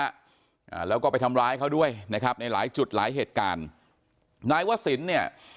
อ่าแล้วก็ไปทำร้ายเขาด้วยนะครับในหลายจุดหลายเหตุการณ์นายวศิลป์เนี่ย